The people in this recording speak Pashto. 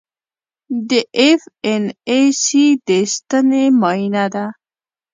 د ایف این ای سي د ستنې معاینه ده.